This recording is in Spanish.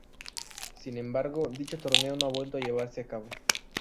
Sin embargo, dicho torneo no ha vuelto a llevarse a cabo.